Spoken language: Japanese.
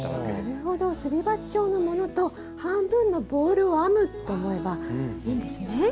なるほどすり鉢状のものと半分のボールを編むと思えばいいんですね。